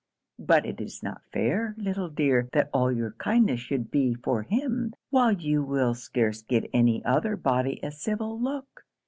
But it is not fair, little dear, that all your kindness should be for him, while you will scarce give any other body a civil look.